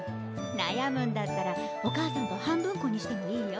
なやむんだったらお母さんと半分こにしてもいいよ。